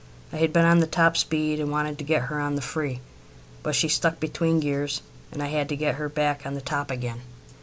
I had been on the top speed, and wanted to get her on the free; but she stuck between gears, and I had to get her back on the top again.